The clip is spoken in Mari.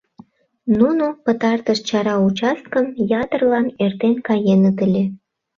Нуно пытартыш чара участкым ятырлан эртен каеныт ыле.